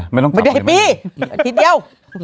ไม่ได้มีอาทิตย์เดียว